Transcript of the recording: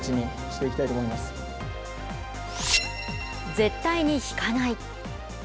絶対に引かない。